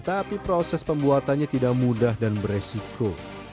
tapi proses pembuatannya tidak mudah dan beresiko